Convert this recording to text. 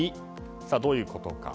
どういうことか。